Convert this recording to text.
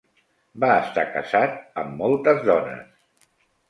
Va estar casat amb moltes dones.